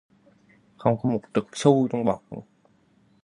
Không có một trự xu trong bọc